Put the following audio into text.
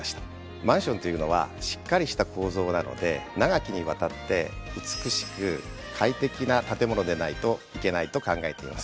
マンションというのはしっかりした構造なので長きにわたって美しく快適な建物でないといけないと考えています。